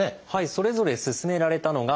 それぞれ勧められたのがこちら。